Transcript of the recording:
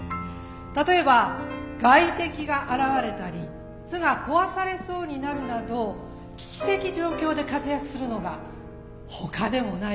例えば外敵が現れたり巣が壊されそうになるなど危機的状況で活躍するのがほかでもない